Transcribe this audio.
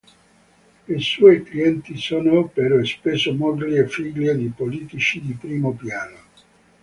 Le sue clienti sono però spesso mogli e figlie di politici di primo piano.